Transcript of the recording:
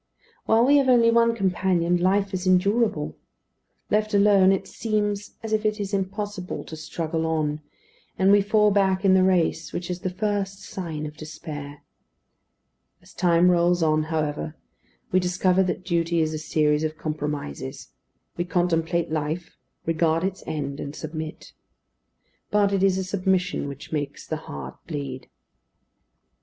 While we have only one companion, life is endurable; left alone, it seems as if it is impossible to struggle on, and we fall back in the race, which is the first sign of despair. As time rolls on, however, we discover that duty is a series of compromises; we contemplate life, regard its end, and submit; but it is a submission which makes the heart bleed.